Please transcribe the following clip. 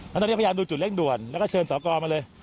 แล้วตอนนี้พยายามดูจุดเร่งด่วนแล้วก็เชิญสอกรมาเลย